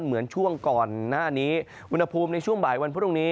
เหมือนช่วงก่อนหน้านี้อุณหภูมิในช่วงบ่ายวันพรุ่งนี้